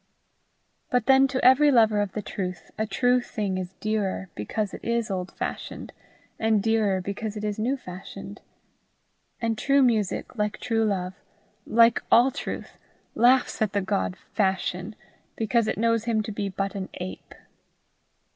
But then to every lover of the truth, a true thing is dearer because it is old fashioned, and dearer because it is new fashioned: and true music, like true love, like all truth, laughs at the god Fashion, because it knows him to be but an ape.